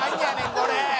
これ！